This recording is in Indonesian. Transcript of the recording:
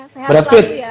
sehat lagi ya